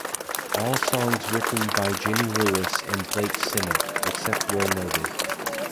All songs written by Jenny Lewis and Blake Sennett, except where noted.